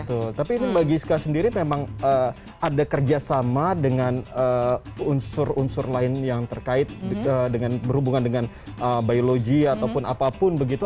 betul tapi ini mbak giska sendiri memang ada kerjasama dengan unsur unsur lain yang terkait dengan berhubungan dengan biologi ataupun apapun begitu